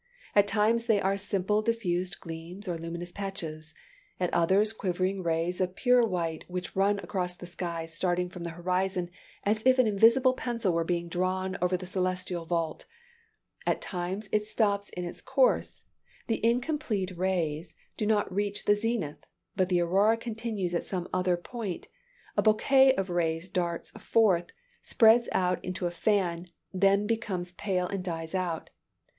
"At times they are simple diffused gleams or luminous patches; at others, quivering rays of pure white which run across the sky, starting from the horizon as if an invisible pencil were being drawn over the celestial vault. At times it stops in its course: the incomplete rays [Illustration: LAND OF THE AURORA.] do not reach the zenith, but the aurora continues at some other point; a bouquet of rays darts forth, spreads out into a fan, then becomes pale and dies out.